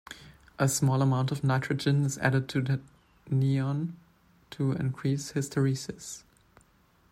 A small amount of nitrogen is added to the neon to increase hysteresis.